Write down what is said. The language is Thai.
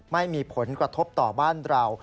ไม่มีผลกระทบต่อบ้านเรา